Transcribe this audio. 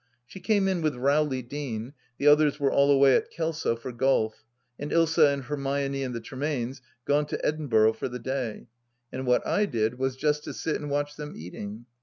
She came in with Rowley Deane — the others were all away at Kelso for golf, and Ilsa and Hermione and the Tremaines gone to Edinburgh for the day — ^and what I did was just to sit and watch them eating.